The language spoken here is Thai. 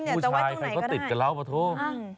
ผู้ชายใครเค้าติดกับเราปะโทษ